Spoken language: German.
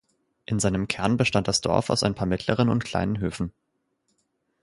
In seinem Kern bestand das Dorf aus ein paar mittleren und kleinen Höfen.